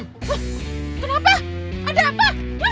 kenapa ada apa